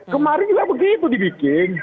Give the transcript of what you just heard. kemarin juga begitu dibikin